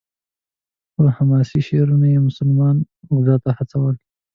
په حماسي شعرونو یې مسلمانان غزا ته هڅول.